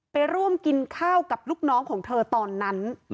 ไปร่วมกินข้าวกับลูกน้องของเธอตอนนั้น